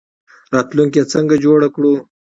راتلونکی څنګه جوړ کړو؟